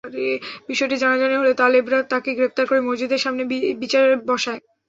বিষয়টি জানাজানি হলে তালেবরা তাকে গ্রেপ্তার করে মসজিদের সামনে বিচার বসায়।